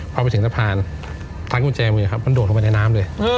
พอไปถึงสะพานทางกุญแจมือนะครับมันโดดลงไปในน้ำเลย